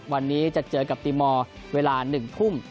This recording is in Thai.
วันนี้จะเจอกับตีมอร์เวลา๑ทุ่ม